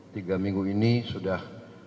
tiga minggu ini sudah